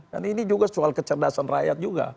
dan ini juga soal kecerdasan rakyat juga